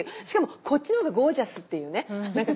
しかもこっちの方がゴージャスっていうね。